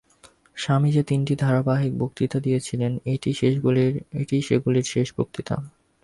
স্বামী যে তিনটি ধারাবাহিক বক্তৃতা দিয়াছিলেন, এটিই সেগুলির শেষ বক্তৃতা।